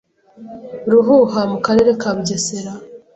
Ruhuha mu karere ka Bugesera